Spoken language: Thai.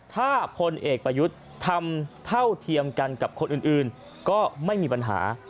ถ้าพลเอกประยุทธ์ทำเท่าเทียมกันกับคนอื่นก็ไม่มีปัญหา